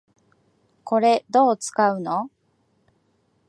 これ、どう使うの？